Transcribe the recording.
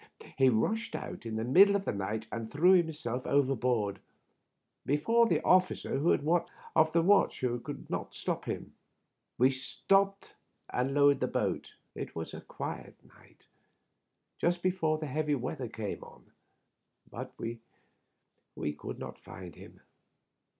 He rushed out in the middle of the night, and threw himseM overboard, before the oflScer who had the watch could stop him. We stopped and lowered a boat ; it was a quiet night, just before that heavy weather came on ; but we could not find him.